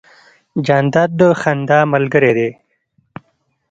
جانداد د خندا ملګری دی.